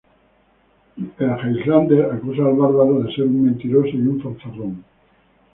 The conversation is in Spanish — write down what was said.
El Highlander acusa al Bárbaro de ser un mentiroso y un fanfarrón.